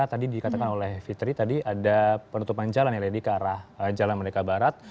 tadi dikatakan oleh fitri tadi ada penutupan jalan ya lady ke arah jalan merdeka barat